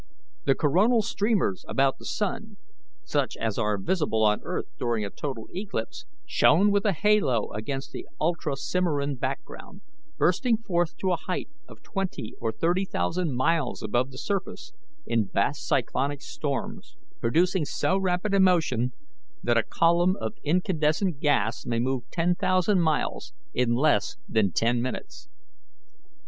The coronal streamers about the sun, such as are visible on earth during a total eclipse, shone with a halo against the ultra Cimmerian background, bursting forth to a height of twenty or thirty thousand miles above the surface in vast cyclonic storms, producing so rapid a motion that a column of incandescent gas may move ten thousand miles in less than ten minutes.